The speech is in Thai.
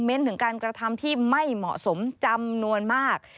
ถึงการกระทำที่ไม่เหมาะสมจำนวนมาก